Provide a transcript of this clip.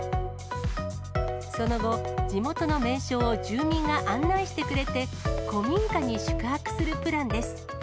その後、地元の名所を住民が案内してくれて、古民家に宿泊するプランです。